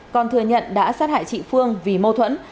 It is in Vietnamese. còn thừa nhận đã sát hại chị phương vì mâu thuẫn